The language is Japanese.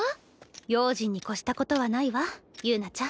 用心に越したことはないわ友奈ちゃん。